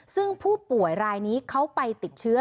ซึ่งผู้ป่วยรายนี้เขาไปติดเชื้อ